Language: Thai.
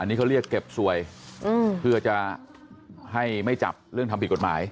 อันนี้เขาเรียกเก็บสวยเพื่อจะให้ไม่จับเรื่องทำผิดกฎหมาย